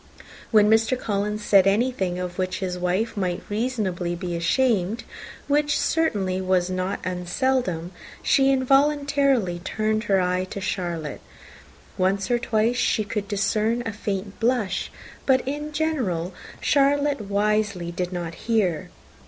When Mr. Collins said anything of which his wife might reasonably be ashamed, which certainly was not seldom, she involuntarily turned her eye on Charlotte. Once or twice she could discern a faint blush; but in general Charlotte wisely did not hear.